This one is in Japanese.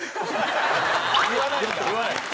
言わないんだ。